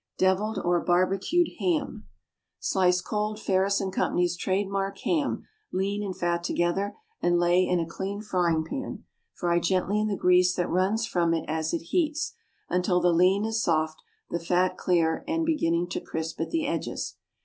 Devilled, or Barbecued Ham. Slice cold Ferris & Co.'s "Trade Mark" ham, lean and fat together, and lay in a clean frying pan. Fry gently in the grease that runs from it as it heats, until the lean is soft, the fat clear and beginning to crisp at the edges.